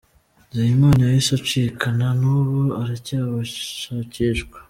Nzeyimana yahise acika na n’ubu aracyashakishwa.